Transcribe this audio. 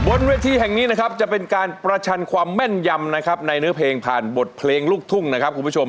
บนเวทีแห่งนี้นะครับจะเป็นการประชันความแม่นยำนะครับในเนื้อเพลงผ่านบทเพลงลูกทุ่งนะครับคุณผู้ชม